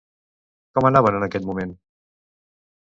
Com anaven en aquell moment?